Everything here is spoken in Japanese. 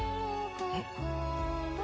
えっ。